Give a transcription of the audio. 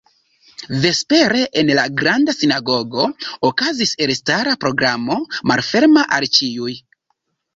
Vespere en la Granda Sinagogo okazis elstara programo malferma al ĉiuj.